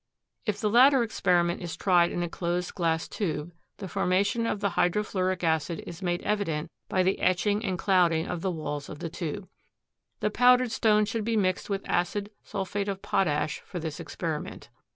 If the latter experiment is tried in a closed glass tube the formation of the hydrofluoric acid is made evident by the etching and clouding of the walls of the tube. The powdered stone should be mixed with acid sulphate of potash for this experiment.